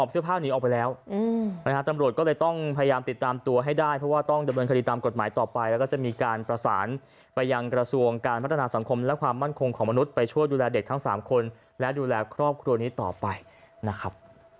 ใส่อะไรอย่างนี้ประมาณนี้ครับ